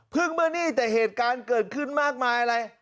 เมื่อนี่แต่เหตุการณ์เกิดขึ้นมากมายอะไร